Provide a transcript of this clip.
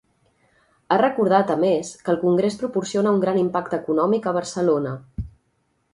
Ha recordat a més que el congrés proporciona un gran impacte econòmic a Barcelona.